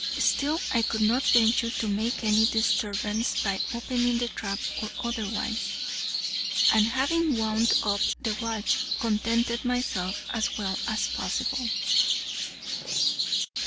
Still I could not venture to make any disturbance by opening the trap or otherwise, and, having wound up the watch, contented myself as well as possible.